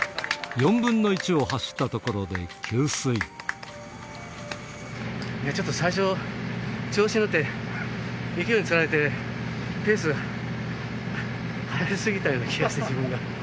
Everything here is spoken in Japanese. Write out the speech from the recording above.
４分の１を走ったところで給ちょっと最初、調子乗って、勢いにつられて、ペース速すぎたような気がして、自分が。